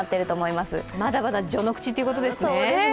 まだまだ序の口ということですね。